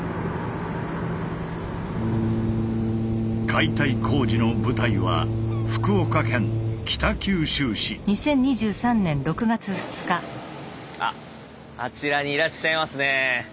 解体工事の舞台はあっあちらにいらっしゃいますね。